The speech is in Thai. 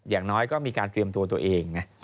อย่างน้อยก็มีการเตรียมตัวตัวเองไง